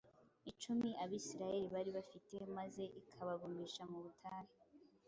icumi Abisirayeli bari bafite maze ikabagumisha mu butayu.